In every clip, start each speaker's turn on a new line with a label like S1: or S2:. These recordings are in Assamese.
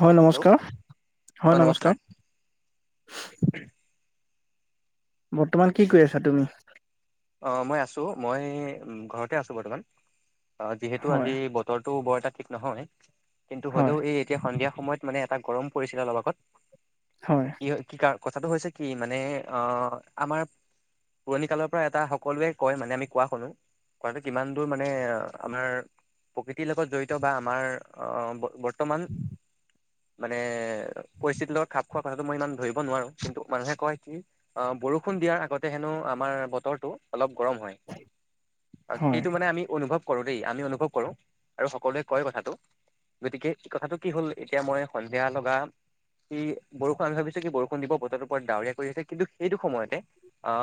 S1: হয়
S2: হেল্ল'
S1: নমস্কাৰ হয় নমস্কাৰ। বৰ্তমান কি কৰি আছা তুমি?
S2: অ মই আছো। মই ঘৰতে আছো বৰ্তমান অ যিহেতু আজি।
S1: হয়
S2: বৰটো বৰ এটা ঠিক নহয়। কিন্তু
S1: হয়
S2: হ'লেও এই এতিয়া সন্ধিয়া সময়ত মানে এটা গৰম পৰিছিলে অলবাগত। কি হয়? কি কাৰ কথাটো হৈছে, কি মানে অ আমাৰ পুৰণি কালৰ এটা সকলোৱে কয় মানে আমি কোৱা শুনো ক কিমান দূৰ মানে আমাৰ? প্ৰকৃতিৰ লগত জড়িত বা আমাৰ আহ বৰ্তমান মানে পৰিস্থিতিৰ লগত খাপ খোৱা কথাটোটো মই ইমান ধৰিব নোৱাৰো। কিন্তু মানুহে কয় কি অ বৰষুণ দিয়াৰ আগতে হেনো আমাৰ ব বটৰতো অলপ গৰম হয় আৰু
S1: হয়
S2: সেইটো মানে আমি অনুভৱ। কৰো দেই আমি অনুভৱ কৰো আৰু সকলোৱে কয় কথাটো। গতিকে এই কথাটো কি হ'ল এতিয়া মই সন্ধিয়া লগা। কি বৰষুণ, আমি ভাবিছো কি বৰষুণ, দিব বতৰটোৰ ওপৰত ডাৱৰীয়া কৰি আছে কিন্তু সেইটো সময়তে অ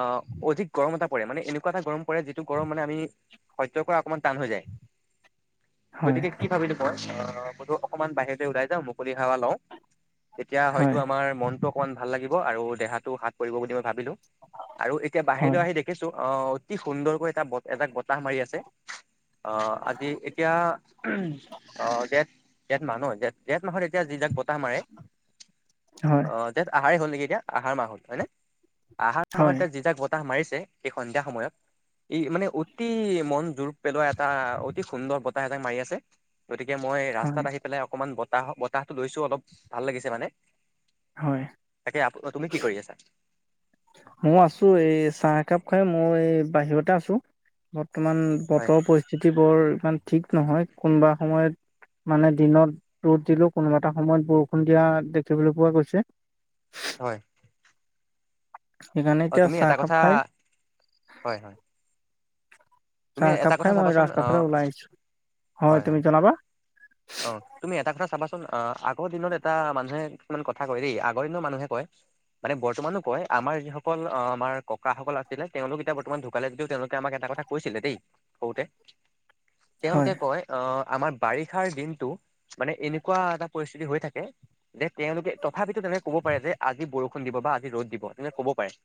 S2: অধিক গৰম এটা পৰে মানে এনেকুৱা এটা গৰম পৰে যিটো গৰম মানে আমি সহ্য কৰা অকণমান টান হৈ যায়।
S1: হয়
S2: গতিকে কি ভাবিলা? বধো অকমান বাহিৰ উওলাই যাও মুকলি সোৱা লওঁ তেতিয়া
S1: হয়
S2: হয়তো আমাৰ মনতটো। মান ভাল লাগিব আৰু দেহাটো হাত পৰিব বুলি মই ভাবিলো আৰু এতিয়া বাহিৰ।
S1: হয়
S2: কিন্তু আহি দেখিছো। অ অতি সুন্দৰকৈ এটা এজাক বতাহ মাৰি আছে। অ আজি এতিয়া অ জেঠ জেঠ মাহ ন জেঠ জেঠ মাহত তিয়া যি যাক বতাহ মাৰে
S1: হয়
S2: আহ তি আহাৰেই হ'ল নেকি এতিয়া আহাৰ মাহ হল হয়নে? আহাৰ মাহত
S1: হয়
S2: যি এটা মাৰিছে সেই সন্ধিয়া সময়ত। ই মানে অতি মন জোৰ পেলোৱা এটা অতি সুন্দৰ বতাহ এটা মাৰি আছে। গতিকে মই
S1: হয়
S2: ৰাস্তাত আহি পেলাই অকমান বতাহ বতাহটো লৈছো, অলপ ভাল লাগিছে মানে।
S1: হয়,।
S2: তাকে আ তুমি কি কৰি আছা?
S1: মই আছো। এই চাহ একাপ খাই মই এই বাহিৰতে আছো। বৰ্তমান
S2: হয়
S1: বতৰ পৰিস্থিতি বোৰ ইমান ঠিক নহয়, কোনোবা সময়ত মানে দিনত ৰ'দ দিলো কোনোবা এটা সময়ত বৰষুণ দিয়া দেখিবলৈ পোৱা গৈছে।
S2: হয়,।
S1: সেইকাৰণে
S2: অঁ
S1: এতিয়া
S2: তুমি
S1: চাহ
S2: এটা
S1: একাপ
S2: কথা।
S1: খাই
S2: হয় হয়,। তুমি
S1: চাহ,
S2: এটা
S1: একাপ
S2: কথা
S1: খাই মই
S2: চাবাচোন অ
S1: ৰাস্তাৰ ফালে ওলাই আহিছো। হয়, তুমি জনাবা।
S2: অ তুমি এটা কথা চাবাচোন আহ আগৰ দিনত এটা মানুহে কিছুমান কথা কয় দেই আগৰ দিনৰত মানুহে কয়। মানে বৰ্তমানো কয় আমাৰ যিসকল আমাৰ বৰ্তমানো কয়। আমাৰ যিসকল ককাসকল আছিলে তেওঁলোক এতিয়া বৰ্তমান ঢুকালে যদিও তেওঁলোকে আমাক এটা কথা। কৈছিলে দেই সৰুতে, তেওঁলোকে
S1: হয়
S2: কয় অ আমাৰ বাৰি বাৰিষাৰ, দিনটো মানে এনেকুৱা এটা পৰিস্থিতি হৈ থাকে। যে তেওঁলোকে তথাপিতো তেকে ক'ব পাৰে যে আজি বৰষুণ, দিব। বা আজি ৰ'দ, দিব তেনেক কব পাৰে।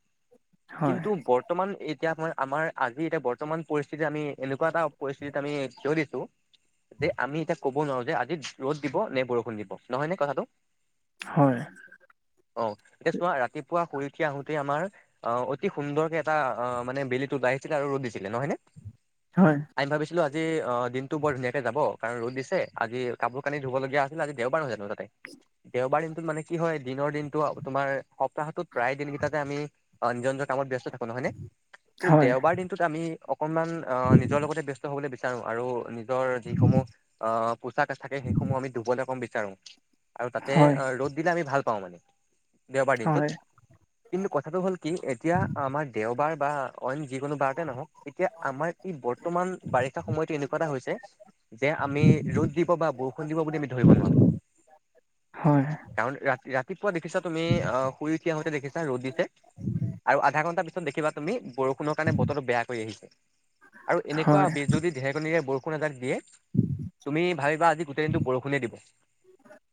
S1: হয়
S2: কিন্তু বৰ্তমান এতিয়া আমাৰ আজি এতিয়া বৰ্তমান পৰিস্থিতি আমি এনেকুৱা এটা পৰিস্থিতিত আমি থিয় দিছো, যে আমি এতিয়া ক'ব নোৱাৰোঁ যে আজি ৰ'দ দিব নে বৰষুণ দিব নহয় নে কথাটো?
S1: হয়।
S2: অ এতিয়া চোৱা ৰাতিপুৱা শুই উঠি আহোতে আমাৰ অ অতি সুন্দৰকে এটা অ মানে বেলিটো ওলাইছিলে আৰু ৰ'দ দিছিলে নহয় নে?
S1: হয়।
S2: আমি ভাবিছিলো আজি অ দিনটো বৰ ধুনীয়াকে যাব কাৰণ ৰ'দ দিছ ছে আজি কাপোৰ - কানি ধুব লগীয়া আছিল। আজি দেওবাৰ হয় জানো তাতে দেওবাৰ দিনটোত মানে কি হয়? দিনৰ দিনটো আ তোমাৰ সপ্তাহটোত প্ৰায় দিন কেইটাতে আমি অ নিজৰ কামত ব্যস্ত থাকো নহয় ন? কিন্তু
S1: হয়
S2: দেওবাৰ দিনটোত আমি অ অকনমান আহ নিজৰ লগতে ব্যস্ত হবলৈ বিচাৰো আৰু নিজৰ যিসমূহ অ' পোচাক থাকে সেইসমূহ আমি ধুবলৈ কম বিচাৰো, আৰু তাতে
S1: হয়
S2: ৰ'দ দিলে আমি ভাল পাওঁ মানে। দেওঁবাৰ
S1: হয়
S2: দিনটোত, কিন্তু কথাটো হ'ল কি এতিয়া আমাৰ দেওঁবাৰ বা অইন যি কোনো বাৰতে নহক, এতিয়া আমাৰ ই বৰ্তমান বাৰিষা সময়তটো এনেকুৱা এটা হৈছে যে আমি ৰ'দ দিব বা বৰষুণ দিব বুলি আমি ধৰিব নোৱাৰো।
S1: হয়।
S2: কাৰণ ৰাতি ৰাতিপুৱা দেখিছা তুমি অ শুই উঠি আহোতে দেখিছা ৰ'দ দিছে আৰু আধা ঘণ্টা পিছত দেখিবা তুমি বৰষুণৰ কাৰণে বতৰটো বেয়া কৰি আহিছে আৰু এনেকুৱা
S1: হয়,
S2: বিজুলী ঢেৰেকনিৰে বৰষুণ এজাক দিয়ে তুমি ভাবিবা আজি গোটেই দিনটো বৰষুণে দিব।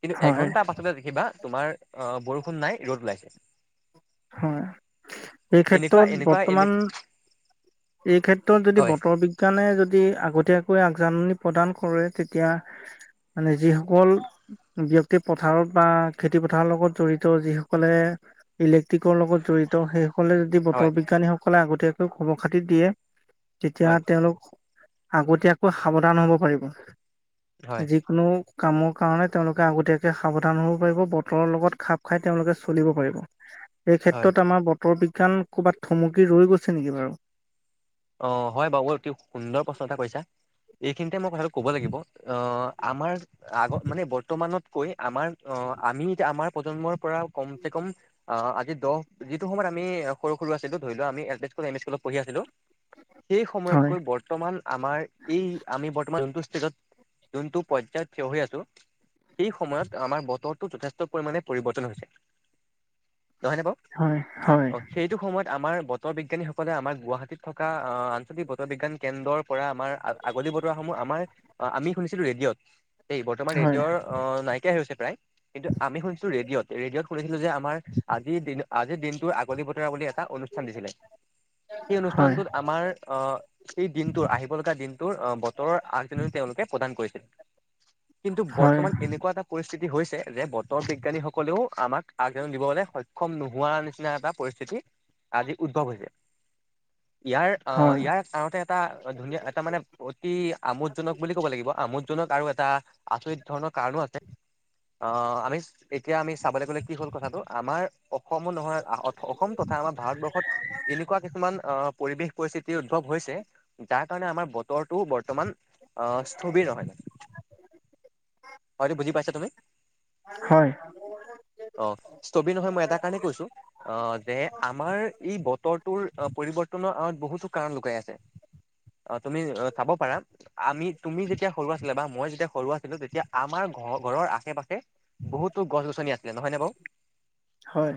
S2: কিন্তু
S1: হয়,
S2: এঘণ্টাৰ পাছতে দে খিবা তোমাৰ অ বৰষুণ নাই ৰ'দ ওলাইছে।
S1: হয়, এই
S2: এনেকুৱা
S1: ক্ষেত্ৰত
S2: এনেকুৱা এনে
S1: বৰ্তমান এই ক্ষেত্ৰত যদি
S2: হয়
S1: বতৰ বি জ্ঞানে যদি আগতীয়াকৈ আগজাননী প্ৰদান কৰে তেতিয়া মানে যিসকল ব্যক্তি পথাৰত বা খেতি পথাৰৰ লগত জড়িত, যিসকলে ইলে তিকৰ লগত জড়িত সেইসকলে যদি
S2: হয়
S1: বতৰ বিজ্ঞানীসকলে আগতীয়াকৈ খবৰ খাতি দিয়ে তেতিয়া
S2: হয়
S1: তেওঁলোক আগতীয়াকৈ সাৱধান হ'ব পাৰিব।
S2: হয়
S1: যিকোনো কামৰ কাৰণে তেওঁলোকে আগতীয়াকে সাৱধান হ'ব পাৰিব, বতৰৰ লগত খাপ খাই তেওঁলোকে চলিব পাৰিব। এই
S2: হয়
S1: ক্ষেত্ৰত আমাৰ বতৰ বিজ্ঞান ক'ৰবাত থমকি ৰৈ গৈছে নেকি বাৰু?
S2: অ হয় বাৰু অতি সুন্দৰ প্ৰশ্ন এটা কৰিছা। এইখিনিতে মই কথাটো ক'ব লাগিব আহ আমাৰ আগত মানে বৰ্তমানত কৈ আমাৰ অ আমি এতিয়া আমাৰ প্ৰজন্মৰ পৰা কমচে কম অ আজি দহ যিটো সময়ত আমি সৰু সৰু আছিলো ধৰি লোৱা আমি L P school M E স্কুলত পঢ়ি আছিলো সেই
S1: হয়,
S2: সময়তকৈ বৰ- বৰ্তমান আমাৰ এই আমি বৰ্তমান যোনটো ষ্টেজত যোনটো পৰ্যায়ত থিয় হৈ আছো। সেই সময়ত আমাৰ বতৰটো যথেষ্ট পৰিমানে পৰিৱৰ্তন হৈছে। নহয়নে বাৰু?
S1: হয় হয়।
S2: অ সেইটো সময়ত আমাৰ বতৰ বিজ্ঞানীসকলে আমাৰ গুৱাহাটীত থ কা আহ আঞ্চলিক বতৰ বিজ্ঞান কেন্দ্ৰৰ পৰা আমাৰ আ আগলি বতৰাসমূহ আমাৰ অ' আমি শুনিছিলো ৰেডিঅ'ত। এই বৰ্তমান
S1: হয়,
S2: ৰেডিঅ'ৰ অ নাইকিয়াই হৈছে প্ৰায় কিন্তু আমি শুনিছো ৰেডিঅ'ত। ৰেডিঅ'ত শুনিছিলো যে আমাৰ আজিৰ দিন আজিৰ দিনটোৰ আগলি বতৰা বুলি এটা অনুষ্ঠান দিছিলে। সেই
S1: হয়,
S2: অনুষ্ঠানটোত আমাৰ আ এই দিনটোৰ আহিব লগা দিনটোৰ বতৰৰ আগজাননী তেওঁলোকে প্ৰদান কৰিছিল। কিন্তু
S1: হয়,
S2: বৰ্তমান এনেকুৱা এটা পৰিস্থিতি হৈছে, যে বতৰ বিজ্ঞানীসকলেও আমাক আগজাননী দিবলৈ সক্ষম নোহোৱাৰ নিচিনা এটা পৰিস্থিতি আজি উদ্ভৱ হৈছে। ইয়াৰ
S1: হয়,
S2: আ
S1: হয়,
S2: ইয়াৰ আঁৰতে এটা ধুনীয়া এটা মানে অতি আমোদজনক বুলি ক'ব লাগিব, আমোদজনক আৰু এটা আচৰিত ধৰণৰ কাৰণো আছে। অ' আমি এতিয়া আমি চাবলৈ গ'লে কি হ'ল, কথাটো আমাৰ অসমো নহয় আহত অসম তথা আমাৰ ভাৰতবৰ্ষত এনেকুৱা কিছুমান অ পৰিবেশ পৰিস্থিতি উদ্ভৱ হৈছে, যাৰ কাৰণে আমাৰ বতৰটো বৰ্তমান আহ স্থবিৰ নহয় মানে। হয়তো বুজি পাইছা তুমি?
S1: হয়।
S2: অ' স্থবিৰ নহয় মই এটা কাৰণেই কৈছো আ দে আমাৰ এই বতৰটোৰ পৰিৱৰ্তনৰ আৰত বহুতো কাৰণ লুকাই আছে। অ' তুমি চাব পাৰা আমি তুমি যেতিয়া সৰু আছিলা বা মই যেতিয়া সৰু আছিলো তেতিয়া আমাৰ ঘ ঘৰৰ আশে পাশে বহুতো গছ গছনি আছিলে নহয় নে বাও
S1: হয়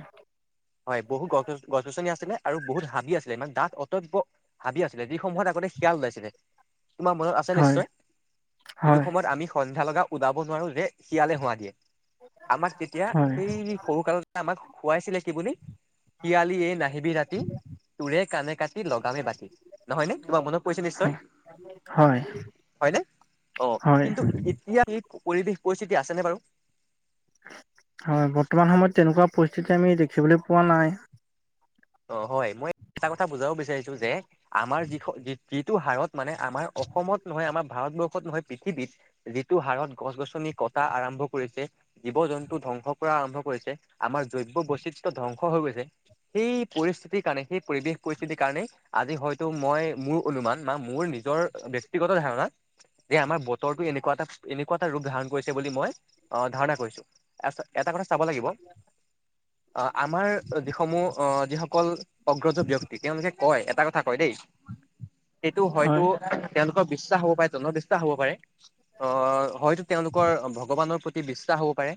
S2: হয় বহুত গছ গছ গছ গছনি আছিলে আৰু বহুত হাবি আছিলে ইমান দাক অটব্য হাবি আছিলে যিসমূহত আগতে শিয়াল ওলাইছিলে তোমাৰ মনত আছে
S1: হয়,
S2: নিশ্চয় যিটো
S1: হয়,
S2: সময়ত আমি সন্ধ্যা লগা ওলাব নোৱাৰো যে শিয়ালে হোৱা দিয়ে আমাক তেতিয়া সেই সৰু কালতে আমাক সোৱাইছিলে কি বুলি শিয়ালি এ নাহিবি ৰাতি তোৰে কানে লগামে বাতি নহয় নে তোমাৰ মনত পৰিছে নিশ্চয়
S1: হয়,
S2: হয়নে অ
S1: হয়,
S2: কিন্তু এতিয়া সেই পৰিৱেশ পৰিস্থিতি আছেনে বাৰু
S1: হয় বৰ্তমান সময়ত তেনেকুৱা পৰিস্থিতি আমি দেখিবলে পোৱা নাই
S2: অ হয় মই এটা কথা বুজাব বিচাৰিছো যে আমাৰ যিস যি যিটো হাৰত মানে আমাৰ অসমত নহয় আমাৰ ভাৰতবৰ্ষত নহয় পৃথিৱীত যিটো হাৰত গছ গছনি কটা আৰম্ভ কৰিছে জীৱ জন্তু ধ্বংস কৰা আৰম্ভ কৰিছে আমাৰ জৈৱ বৈচিত্ৰ ধ্বংস হৈ গৈছে সেই পৰিস্থিতিৰ কাৰণে সেই পৰিৱেশ পৰিস্থিতিৰ কাৰণেই আজি হয়তো মই মোৰ অনুমান বা মোৰ নিজৰ ব্যক্তিগত ধাৰণাত যে আমাৰ বতৰটো এনেকুৱা এটা এনেকুৱা এটা ৰূপ ধাৰণ কৰিছে বুলি মই অ ধাৰণা কৰিছো এটা কথা চাব লাগিব আ আমাৰ যিসমূহ অ যিসকল অগ্ৰজ ব্যক্তি তেওঁলোকে কয় এটা কথা কয় দেই সেইটো হয়তো
S1: হয়,
S2: তেওঁলোকৰ বিশ্বাস হ'ব পাৰে জনবিশ্বাস হ'ব পাৰে অ হয়তো তেওঁলোকৰ ভগৱানৰ প্ৰতি বিশ্বাস হ'ব পাৰে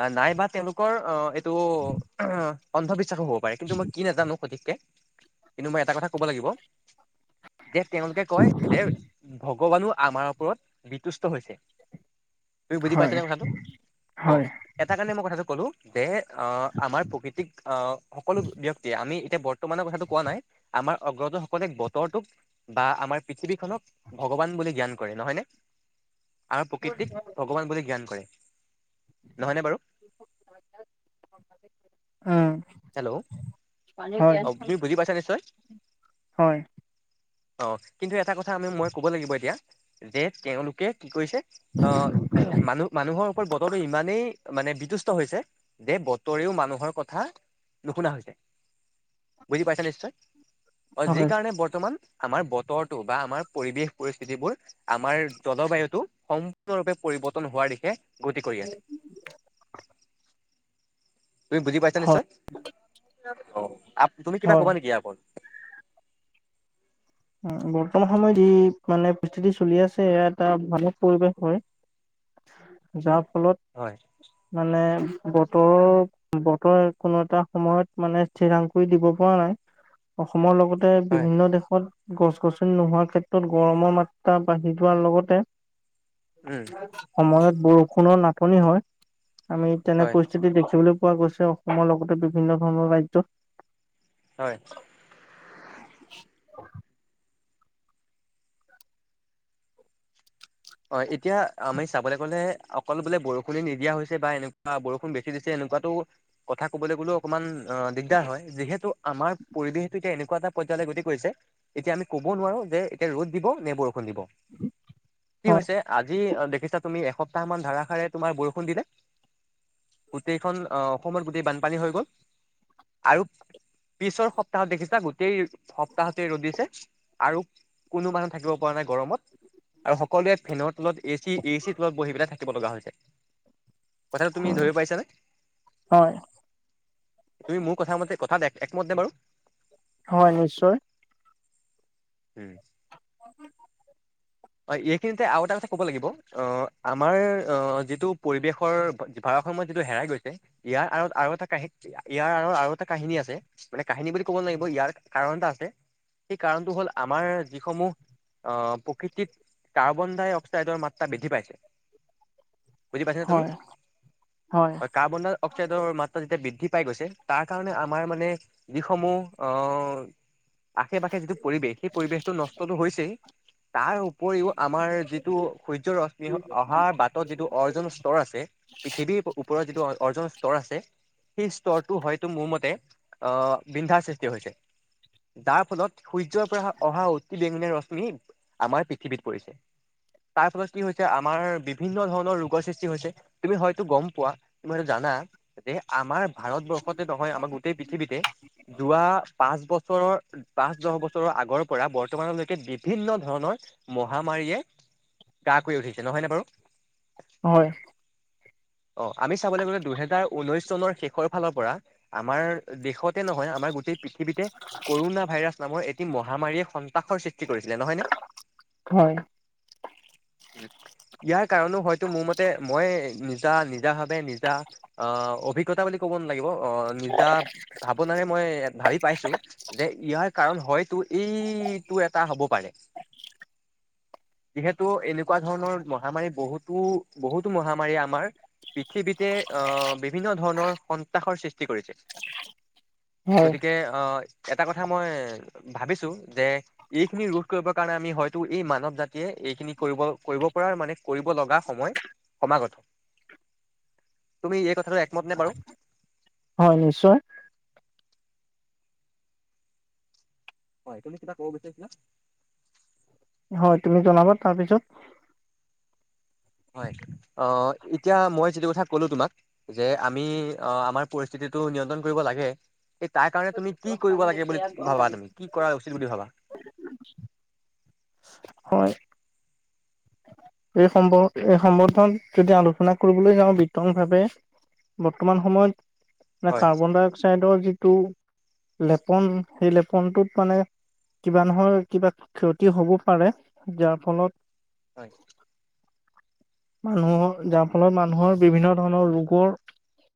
S2: আ নাইবা তেওঁলোকৰ অ এইটো অন্ধবিশ্বাসো হ'ব পাৰে কিন্তু মই কি নাজানো সঠিককে কিন্তু মই এটা কথা ক'ব লাগিব যে তেওঁলোকে কয় যে ভগৱানো আমাৰ ওপৰত বিতুষ্ট হৈছে তুমি বুজি পাইছা
S1: হয়,
S2: নে কথাটো অ
S1: হয়,
S2: এটা কাৰণে মই কথাটো কলো যে অ আমাৰ প্ৰকৃতিক আ সকলো ব্যক্তি এতিয়া আমি এতিয়া বৰ্তমানৰ কথাটো কোৱা নাই আমাৰ অগ্ৰজৰ সকলে বতৰটোক বা আমাৰ পৃথিৱীখনক ভগৱান বুলি জ্ঞান কৰে নহয় নে আৰু প্ৰকৃতিক ভগৱান বুলি জ্ঞান কৰে নহয়নে বাৰু হেল্ল'
S1: উম হয়
S2: অ তুমি বুজি পাইছা নিশ্চয়
S1: হয়
S2: অ কিন্তু এটা কথা আমি মই কব লাগিব এতিয়া যে তেওঁলোকে কি কৰিছে অ মানুহ মানুহৰ ওপৰত বতৰটো ইমানেই মানে বিতুষ্ট হৈছে যে বতৰেও মানুহৰ কথা নুশুনা হৈছে বুজি পাইছা নিশ্চয় অ যি
S1: হয়,
S2: কাৰণে বৰ্তমান আমাৰ বতৰটো বা আমাৰ পৰিৱেশ পৰিস্থিতিবোৰ আমাৰ জলবায়ুটো সম্পূৰ্ণৰূপে পৰিৱৰ্তন হোৱাৰ দিশে গতি কৰি আছে তুমি বুজি পাইছা নিশ্চয় অ তুমি কিবা
S1: হয়।
S2: কবা নেকি আকল
S1: বৰ্তমান সময়ত যি মানে পৰিস্থিতি চলি আছে এয়া এটা ভানক পৰিৱেশ হয় যাৰ ফলত
S2: হয়
S1: মানে বতৰ বতৰে কোনো এটা সময়ত মানে সিৰাং কৰি দিব পৰা নাই অসমৰ লগত তে
S2: হয়
S1: বিভিন্ন দেশত গছ গছনি নোহোৱাৰ ক্ষেত্ৰত গৰমৰ মাত্ৰা বাঢ়ি যোৱাৰ লগতে
S2: উম
S1: সময়ত বৰষুণৰ নাাটনি হয় আমি তেনে
S2: হয়
S1: পৰিস্থিতি দেখিবলৈ পোৱা গৈছে অসমৰ লগতে বিভিন্ন ধৰণৰ ৰাজ্যত
S2: হয় অ এতিয়া আমি চাবলৈ গলে অকল বোলে বৰষুণে নিদিয়া হৈছে বা এনেকুৱা বৰষুণ বেছি দিছে এনেকোৱাতো কথা কবলৈ গ'লেও অকমান অ দিগদাৰ হয় যিহেতু আমাৰ পৰিৱেশটো এতিয়া এনেকুৱা এটা পৰ্যায়লৈ গতি কৰিছে এতিয়া আমি কব নোৱাৰো যে এতিয়া ৰ'দ দিব নে বৰষুণ দিব
S1: [inaudible]
S2: কি হৈছে আজি আ দেখিছা তুমি এসপ্তাহ মান ধাৰাসাৰে তোমাৰ বৰষুণ দিলে গোটেইখন আহ অসমত গোটেই বানপানী হৈ গ'ল আৰু পিছৰ সপ্তাহত দেখিছা গোটেই সপ্তাহতে ৰদ দিছে আৰু কোনো মানুহ থাকিব পৰা নাই গৰমত আৰু সকলোৱে ফেনৰ তলত এ চি এ চিৰ তলত বহি পেলাই থাকিব লগা হৈছে কথাটো তুমি ধৰিব পাইছানে
S1: হয়,
S2: তুমি মোৰ কথা মতে কথাত একমত নে বাৰু
S1: হয় নিশ্চয়
S2: উম
S1: [unintelligible]
S2: অ এইখিনিতে আৰু এটা কথা ক'ব লাগিব অ আমাৰ অ যিটো পৰিৱেশৰ ভাৰাসম্যত যিটো হেৰাই গৈছে ইয়াৰ আঁৰত আৰু এটা কাহি ইয়াৰ আৰত আৰু এটা কাহিনী আছে মানে কাহিনী বুলি ক'ব লাগিব ইয়াৰ কাৰণ এটা আছে সেই কাৰণটো হ'ল আমাৰ যিসমূহ অ প্ৰকৃতিত কাৰ্বন ডাই অক্সাইডৰ মাত্ৰা বৃদ্ধি পাইছে বুজি পাইছা নে তুমি
S1: হয়,
S2: হয় কাৰ্বন ডাই অক্সাইডৰ মাত্ৰা যেতিয়া বৃদ্ধি পাই গৈছে তাৰ কাৰণে আমাৰ মানে যিসমূহ আহ আশে পাশে যিটো পৰিৱেশ সেই পৰিৱেশটো নষ্টটো হৈছেই তাৰ উপৰিও আমাৰ যিটো সূৰ্য ৰশ্মি অহা বাটত যিটো অৰ্জন স্তৰ আছে পৃথিৱীৰ ওপৰত যিটো অৰ্জন স্তৰ আছে সেই স্তৰটো হয়তো মোৰ মতে অ বিন্ধাৰ সৃষ্টি হৈছে যাৰ ফলত সূৰ্যৰ পৰা অহা অতি বেঙুনীয়া ৰশ্মি আমাৰ পৃথিৱীত পৰিছে তাৰ ফলত কি হৈছে আমাৰ বিভিন্ন ধৰণৰ ৰোগৰ সৃষ্টি হৈছে তুমি হয়তো গম পোৱা তুমি সেইটো জানা যে আমাৰ ভাৰতবৰ্ষতে নহয় আমাৰ গোটেই পৃথিৱীতে যোৱা পাঁচ বছৰৰ পাঁচ দহ বছৰৰ আগৰ পৰা বৰ্তমানলৈকে বিভিন্ন ধৰণৰ মহামাৰীয়ে গা কৰি উঠিছে নহয়নে বাৰু
S1: হয়
S2: অ আমি চাবলে গলে দুহেজাৰ ঊনৈশ চনৰ শেষৰ ফালৰ পৰা আমাৰ দেশতে নহয় আমাৰ গোটেই পৃথিৱীতে কৰোণা ভাইৰাছ নামৰ এটি মহামাৰীয়ে সন্ত্ৰাসৰ সৃষ্টি কৰিছিলে নহয় নে
S1: হয়
S2: ইয়াৰ কাৰণো হয়তো মোৰ মতে মই নিজা নিজা ভাবে নিজা অ অভিজ্ঞতা বুলি ক'ব নালাগিব অ নিজা ভাৱনাৰে মই ভাবি পাইছো যে ইয়াৰ কাৰণ হয়তো এইটো এটা হ'ব পাৰে যিহেতু এনেকোৱা ধৰণৰ মহামাৰী বহুতো বহুতো মহামাৰীয়ে আমাৰ পৃথিৱীতে অহ বিভিন্ন ধৰণৰ সন্ত্ৰাসৰ সৃষ্টি কৰিছে
S1: হয়,
S2: গতিকে আহ এটা কথা মই ভাবিছো যে এইখিনি ৰোধ কৰিব কাৰণে আমি হয়তো এই মানৱ জাতিয়ে এইখিনি কৰিব কৰিব পৰা মানে কৰিব লগা সময় সমাগত তুমি এই কথাটো একমত নে বাৰু
S1: হয় নিশ্চয়
S2: হয় তুমি কিবা কব বিচাৰিছিলা
S1: হয় তুমি জনাবা তাৰপিছত
S2: হয় অ এতিয়া মই যিটো কথা কলো তোমাক যে আমি অ আমাৰ পৰিস্থিতিটো নিয়ন্ত্ৰণ কৰিব লাগে এই তাৰ কাৰণে তুমি কি কৰিব লাগে বুলি ভাবা তুমি কি কৰা উচিত বুলি ভাবা
S1: হয় এই সম্ব এই সম্বৰ্ধন যদি আলোচনা কৰিবলৈ যাওঁ বিতং ভাৱে বৰ্তমান সময়ত
S2: হয়
S1: কাৰ্বন- ডাই -অক্সাইডৰ যিটো লেপন সেই লেপনটোত মানে কিবা নহয় কিবা ক্ষতি হ'ব পাৰে যাৰ ফলত
S2: হয়
S1: মানুহৰ যাৰ ফলত মানুহৰ বিভিন্ন ধৰণৰ ৰোগৰ